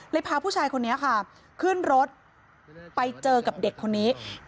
พาผู้ชายคนนี้ค่ะขึ้นรถไปเจอกับเด็กคนนี้